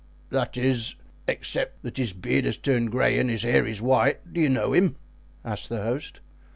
"That is he, except that his beard has turned gray and his hair is white; do you know him?" asked the host.